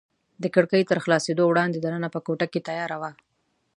د کړکۍ تر خلاصېدو وړاندې دننه په کوټه کې تیاره وه.